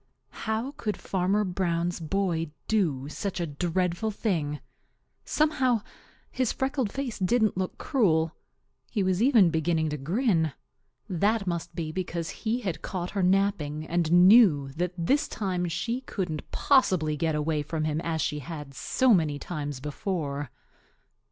How could Fanner Brown's boy do such a dreadful thing? Somehow, his freckled face didn't look cruel. He was even beginning to grin. That must be because he had caught her napping and knew that this time she couldn't possibly get away from him as she had so many times before.